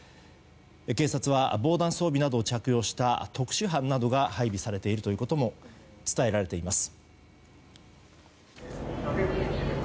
警察は防弾装備などを着用した特殊班などが配備されているということも伝えられています。